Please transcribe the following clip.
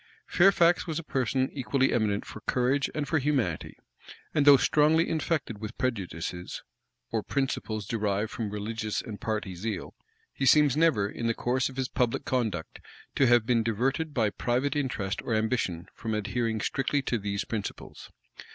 Fairfax was a person equally eminent for courage and for humanity; and though strongly infected with prejudices, or principles derived from religious and party zeal, he seems never, in the course of his public conduct, to have been diverted by private interest or ambition from adhering strictly to these principles.